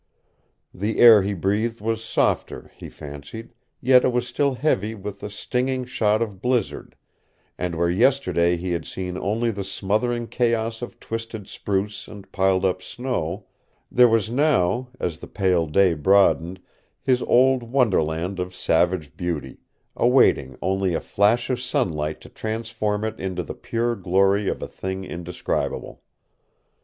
The air he breathed was softer, he fancied, yet it was still heavy with the stinging shot of blizzard; and where yesterday he had seen only the smothering chaos of twisted spruce and piled up snow, there was now as the pale day broadened his old wonderland of savage beauty, awaiting only a flash of sunlight to transform it into the pure glory of a thing indescribable.